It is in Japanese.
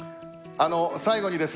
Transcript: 最後にですね